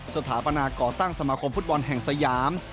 สถาปนาก่อตั้งสมาคมฟุตบอลแห่งสยาม